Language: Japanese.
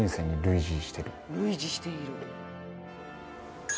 「“類似している”」